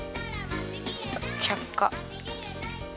ちゃっか。